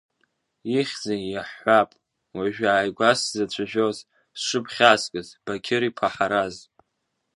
Ихьзеи, иаҳҳәап, уажәааигәа сзацәажәоз, зҽыԥхьазкыз Бақьыр-иԥа Ҳараз?